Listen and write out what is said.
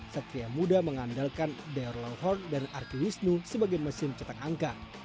satria muda mengandalkan daryl alhorn dan arki wisnu sebagai mesin cetak angka